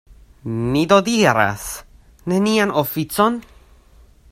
Ni do diras: nenian oficon?